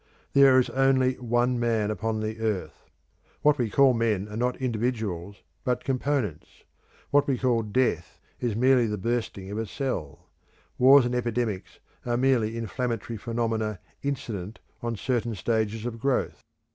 There is only One Man upon the earth; what we call men are not individuals but components; what we call, death is merely the bursting of a cell; wars and epidemics are merely inflammatory phenomena incident on certain stages of growth.